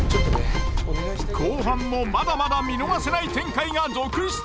後半もまだまだ見逃せない展開が続出！